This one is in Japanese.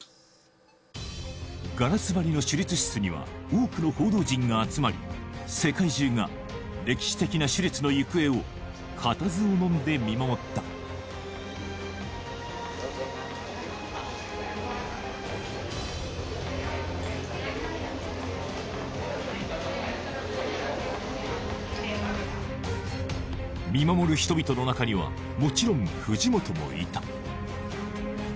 ガラス張りの手術室には多くの報道陣が集まり世界中が歴史的な手術の行方を固唾をのんで見守った見守る人々の中にはもちろん藤本もいた